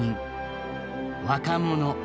若者。